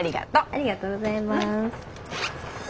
ありがとうございます。